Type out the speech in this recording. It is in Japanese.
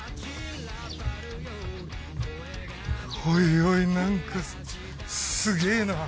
おいおい何かすげえな。